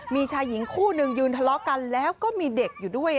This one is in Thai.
มีชายหญิงคู่นึงยืนทะเลาะกันแล้วก็มีเด็กอยู่ด้วย